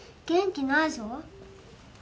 元気ないぞ。